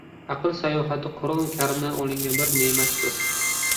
Aql salohiyati qur’oni Karimdan olingan bir ne’matdir.